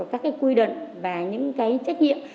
các quy định và những trách nhiệm